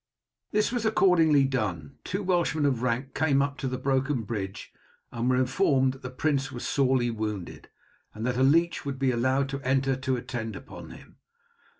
This was accordingly done. Two Welshmen of rank came up to the broken bridge and were informed that their prince was sorely wounded, and that a leech would be allowed to enter to attend upon him.